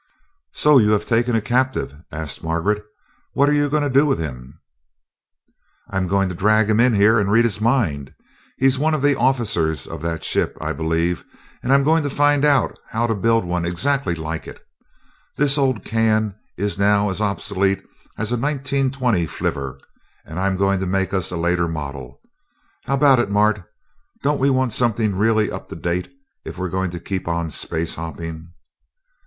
"So you have taken a captive?" asked Margaret. "What are you going to do with him?" "I'm going to drag him in here and read his mind. He's one of the officers of that ship, I believe, and I'm going to find out how to build one exactly like it. This old can is now as obsolete as a 1920 flivver, and I'm going to make us a later model. How about it, Mart, don't we want something really up to date if we're going to keep on space hopping?"